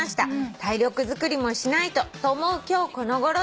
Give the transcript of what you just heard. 「体力づくりもしないとと思う今日この頃です」